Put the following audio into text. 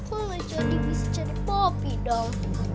kok gak jadi bisa cari popi dong